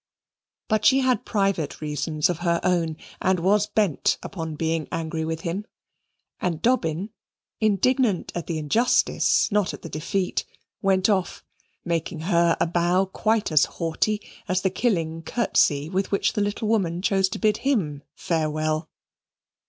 But she had private reasons of her own, and was bent upon being angry with him. And Dobbin, indignant at the injustice, not at the defeat, went off, making her a bow quite as haughty as the killing curtsey with which the little woman chose to bid him farewell.